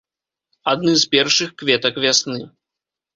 Адны з першых кветак вясны.